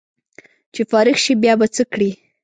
چې فارغ شې بیا به څه کړې